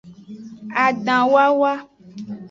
Adanwawa.